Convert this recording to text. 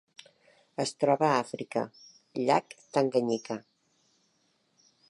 Es troba a Àfrica: llac Tanganyika.